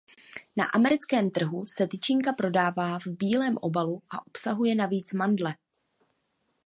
Na americkém trhu se tyčinka prodává v bílém obalu a obsahuje navíc mandle.